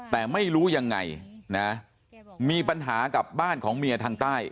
แต่ไม่รู้ยังไงนะมีปัญหากับบ้านของเมียทางใต้